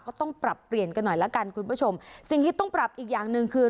ก็ต้องปรับเปลี่ยนกันหน่อยละกันคุณผู้ชมสิ่งที่ต้องปรับอีกอย่างหนึ่งคือ